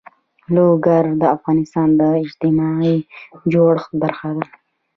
لوگر د افغانستان د اجتماعي جوړښت برخه ده.